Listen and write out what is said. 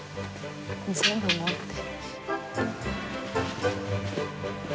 全部持って。